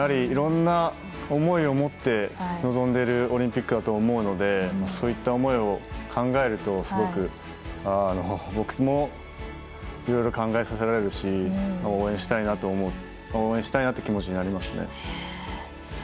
いろんな思いがあって臨んでいるオリンピックだと思うのでそういった思いを考えるとすごく僕もいろいろ考えさせられるし応援したいなっていう気持ちになりますね。